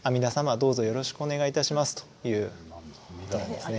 どうぞよろしくお願いいたしますという意味ですね。